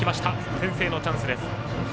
先制のチャンスです。